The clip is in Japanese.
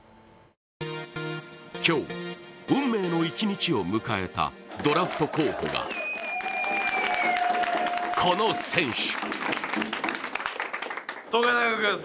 今日、「運命の１日」を迎えたドラフト候補がこの選手。